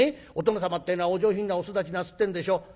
お殿様ってえのはお上品なお育ちなすってんでしょ。